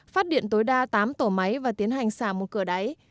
phát điện tối đa tám tổ máy và tiến hành xả một cửa đáy